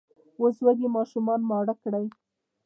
اوس وږي ماشومان ماړه کړئ!